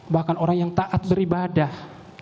bahkan orang yang taat beribadah